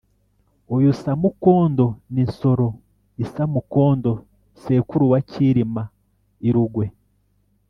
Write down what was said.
uyu Samukondo ni Nsoro I Samukondo sekuru wa Cyilima I Rugwe.